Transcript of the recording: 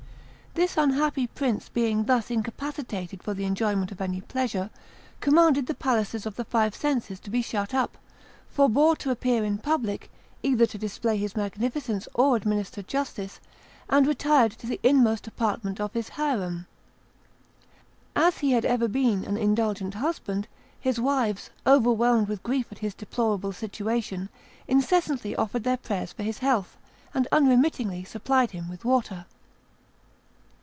This unhappy prince being thus incapacitated for the enjoyment of any pleasure, commanded the palaces of the five senses to be shut up, forbore to appear in public, either to display his magnificence or administer justice, and retired to the inmost apartment of his harem. As he had ever been an indulgent husband, his wives, overwhelmed with grief at his deplorable situation, incessantly offered their prayers for his health, and unremittingly supplied him with water.